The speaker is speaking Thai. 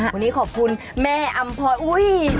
วันนี้ขอบคุณแม่อำพรอุ้ย